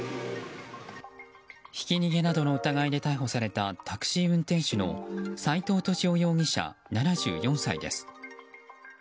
ひき逃げなどの疑いで逮捕されたタクシー運転手の斉藤敏夫容疑者、７４歳です。